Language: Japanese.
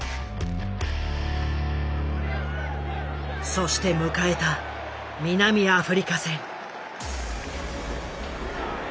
そして迎えた南アフリカ戦。